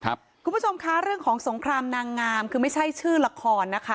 คุณผู้ชมคะเรื่องของสงครามนางงามคือไม่ใช่ชื่อละครนะคะ